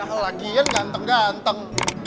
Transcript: kalau gyan ganteng ganteng